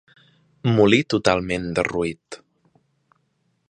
Molí totalment derruït.